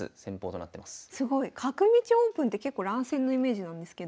すごい。角道オープンって結構乱戦のイメージなんですけど。